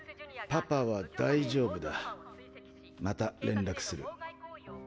パパは大丈夫だまた連絡する。